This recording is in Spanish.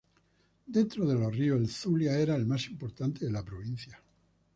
Dentro de los ríos, el Zulia era el más importante de la provincia.